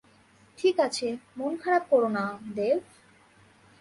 ঠিক আছে, মন খারাপ কোরোনা, ডেভ।